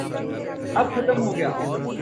اب ختم ہوگیا۔